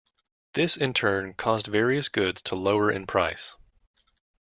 This, in turn, caused various goods to lower in price.